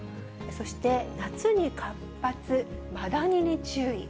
そして夏に活発、マダニに注意。